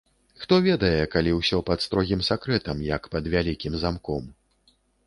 Хто ведае, калі ўсё пад строгім сакрэтам, як пад вялікім замком.